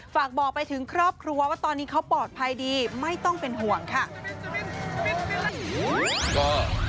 ฝากบอกไปถึงครอบครัวว่าตอนนี้เขาปลอดภัยดีไม่ต้องเป็นห่วงค่ะ